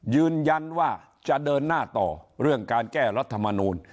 ยืนยันว่าจะเดินหน้าต่อเรื่องการแก้รัฐมนูล